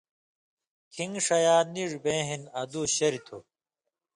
کھِنگ ݜَیا نِین٘ڙ بیں ہِن ادُوس شریۡ تھُو۔